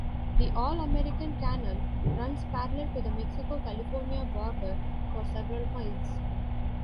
The All American Canal runs parallel to the Mexico California border for several miles.